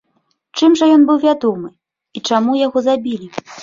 Чым жа ён быў вядомы і чаму яго забілі?